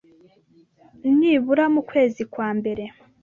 nibura mu kwezi kwa mbere